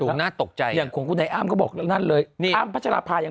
สูงน่าตกใจอย่างขวงคุณแม่อ้ามก็บอกอย่างนั้นเลยนี่อ้ามพัชรภายัง